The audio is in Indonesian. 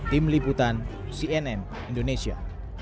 tim liputan cnn indonesia